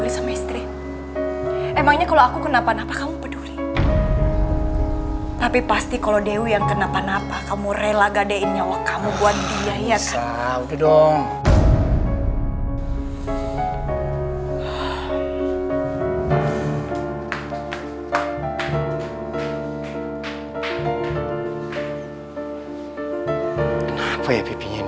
sampai jumpa di video selanjutnya